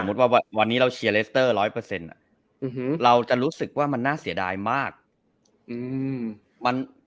ว่าวันนี้เราเชียร์เลสเตอร์ร้อยเปอร์เซ็นต์เราจะรู้สึกว่ามันน่าเสียดายมากอืม